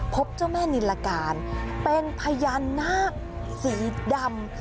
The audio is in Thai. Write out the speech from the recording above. พบเจ้าแม่นิลลาการเป็นพยานหน้าสีดำ